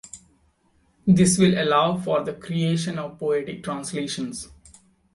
This will allow for the creation of poetic translations.